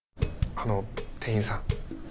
あの店員さん。